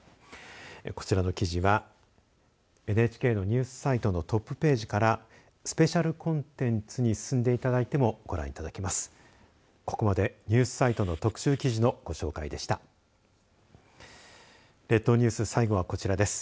こちらの記事はＮＨＫのニュースサイトのトップページからスペシャルコンテンツに進んでいただいても、ご覧いただけます。